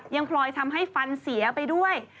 พลอยทำให้ฟันเสียไปด้วย